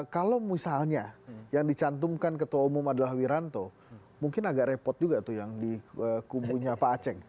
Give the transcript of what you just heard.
kalau misalnya yang dicantumkan ketua umum adalah wiranto mungkin agak repot juga tuh yang di kubunya pak aceh